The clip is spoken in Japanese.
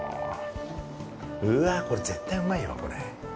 うわあ、これ絶対うまいわ。